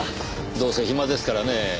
どうせ暇ですからねぇ。